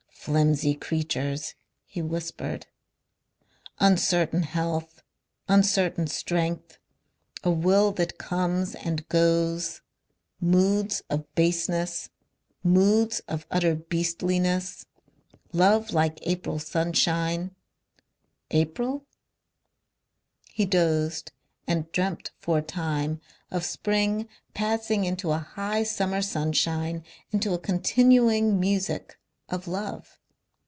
"Flimsy creatures," he whispered. "Uncertain health. Uncertain strength. A will that comes and goes. Moods of baseness. Moods of utter beastliness.... Love like April sunshine. April?..." He dozed and dreamt for a time of spring passing into a high summer sunshine, into a continuing music, of love.